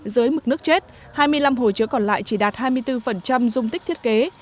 dưới mực nước chết hai mươi năm hồ chứa còn lại chỉ đạt hai mươi bốn dung tích thiết kế